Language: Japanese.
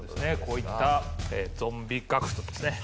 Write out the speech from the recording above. こういった「ゾンビ学」とですね